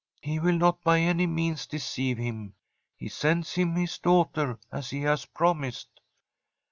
He will not by any means deceive him. He sends him his daughter as he has promised.'